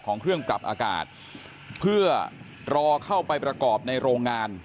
ของเครื่องปรับอากาศเพื่อรอเข้าไปประกอบในโรงงาน